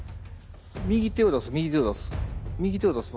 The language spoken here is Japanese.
右手を出す右手を出す。